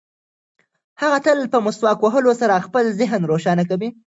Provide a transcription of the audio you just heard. هغه تل په مسواک وهلو سره خپل ذهن روښانه کوي.